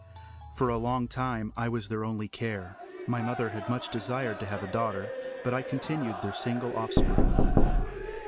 For a long time I was their only care. My mother had much desired to have a daughter, but I continued their single offspring.